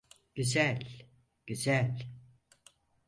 Güzel, güzel.